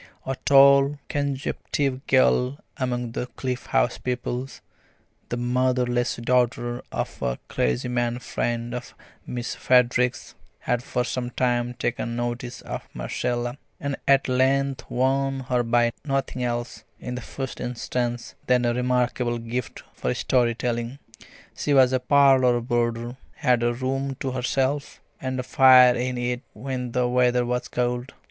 A tall, consumptive girl among the Cliff House pupils, the motherless daughter of a clergyman friend of Miss Frederick's, had for some time taken notice of Marcella, and at length won her by nothing else, in the first instance, than a remarkable gift for story telling. She was a parlour boarder, had a room to herself, and a fire in it when the weather was cold.